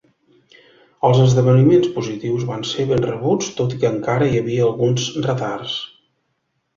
Els esdeveniments positius van ser ben rebuts tot i que encara hi havia alguns retards.